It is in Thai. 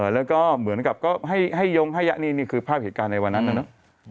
แล้วก็เหมือนกับก็ให้ยงให้ยะนี่คือภาพเหตุการณ์ในวันนั้นนะเนอะ